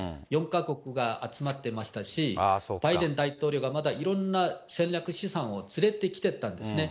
４か国が集まってましたし、バイデン大統領がまだいろんな戦略しさんを連れてきてたんですね。